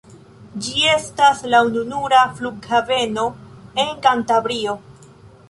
Ĝi estas la ununura flughaveno en Kantabrio.